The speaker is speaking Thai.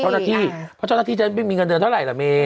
เพราะเจ้าหน้าที่จะไม่มีเงินเงินเท่าไหร่ละเม